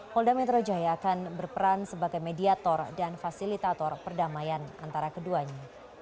polda metro jaya akan berperan sebagai mediator dan fasilitator perdamaian antara keduanya